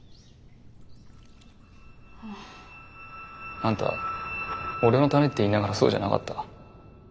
あんた俺のためって言いながらそうじゃなかった。